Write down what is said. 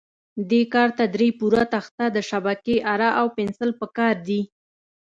دې کار ته درې پوره تخته، د شبکې اره او پنسل په کار دي.